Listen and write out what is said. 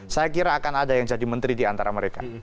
saya kira akan ada yang jadi menteri diantara mereka